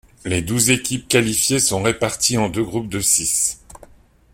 Les douze équipes qualifiées sont réparties en deux groupes de six.